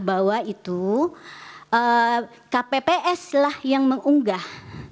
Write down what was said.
bahwa itu kpps lah yang mengunggah